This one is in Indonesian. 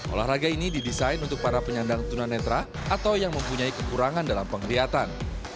olahraga ini didesain untuk para penyandang tunanetra atau yang mempunyai kekurangan dalam penglihatan